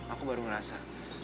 aku baru ngerasa